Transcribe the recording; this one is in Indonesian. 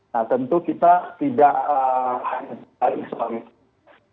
nah tentu kita tidak hanya soal itu